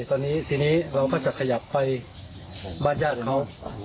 ตอนนี้ทีนี้เราก็จะขยับไปบ้านญาติเขา